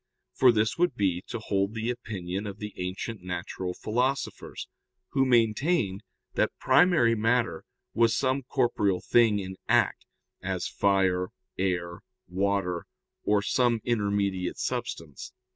For this would be to hold the opinion of the ancient natural philosophers, who maintained that primary matter was some corporeal thing in act, as fire, air, water, or some intermediate substance.